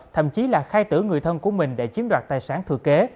thậm chí là khai tử người thân của mình để chiếm đoạt tài sản thừa kế